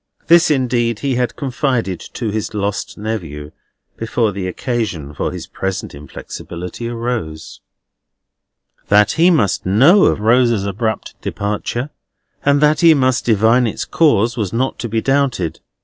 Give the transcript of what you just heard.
This indeed he had confided to his lost nephew, before the occasion for his present inflexibility arose. That he must know of Rosa's abrupt departure, and that he must divine its cause, was not to be doubted.